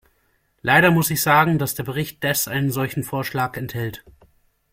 Leider muss ich sagen, dass der Bericht Deß einen solchen Vorschlag enthält.